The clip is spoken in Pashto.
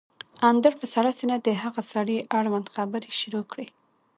اندړ په سړه سينه د هغه سړي اړوند خبرې شروع کړې